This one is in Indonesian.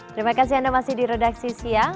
terima kasih anda masih di redaksi siang